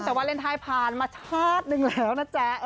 แต่วาเลนไทยผ่านมาชาติหนึ่งแล้วนะจ๊ะ